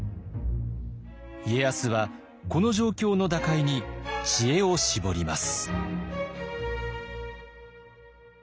家康はこの状況の打開に知恵を絞ります。